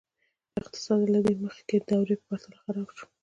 اقتصاد یې له مخکې دورې په پرتله خراب شو.